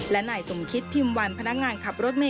และนายสมคิตพิมพ์วันพนักงานขับรถเมย